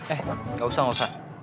eh gak usah gak usah